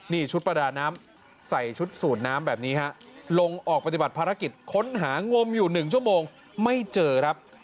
นี่ชุดประดาน้ำใส่ชุดสูดน้ำแบบนี้ฮะลงออกปฏิบัติภารกิจค้นหางมอยู่๑ชั่วโมงไม่เจอครับ